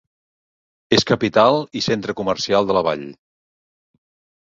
És capital i centre comercial de la vall.